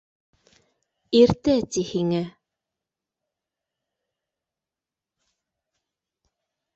— Иртә, ти, һиңә